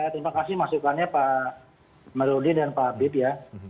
terima kasih masukannya pak marudin dan pak habib ya